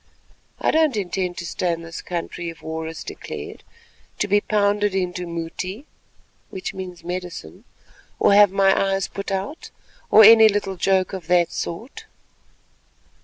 I don't intend to stay in this country if war is declared, to be pounded into mouti (medicine), or have my eyes put out, or any little joke of that sort."